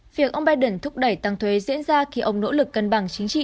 việc ông biden thúc đẩy tăng thuế diễn ra khi ông nỗ lực cân bằng chính trị